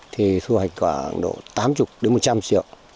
thì thu hoạch khoảng độ tám mươi đến một trăm linh triệu